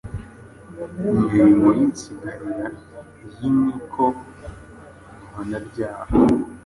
Imirimo y’Insigarira y’Inkiko Mpanabyaha